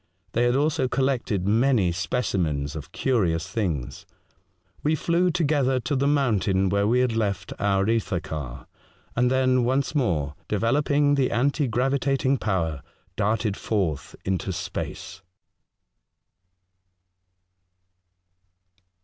They had also collected many specimens of curious things. We flew together to the mountain where we had left our ether car, and then, once more developing the anti gravitating power, darted forth into space.